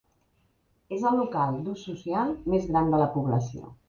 És el local d'ús social més gran de la població.